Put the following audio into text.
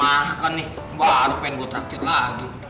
wah kalian udah pada makan nih baru pengen gue traktir lagi